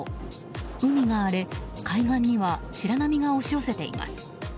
海が荒れ、海岸には白波が押し寄せています。